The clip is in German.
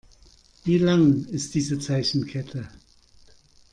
Wie lang ist diese Zeichenkette?